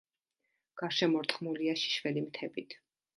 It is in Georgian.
გარშემორტყმულია შიშველი მთებით.